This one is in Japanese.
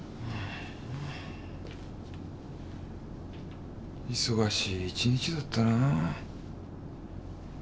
忙しい一日だったなぁ。